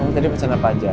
kamu tadi pesanan apa aja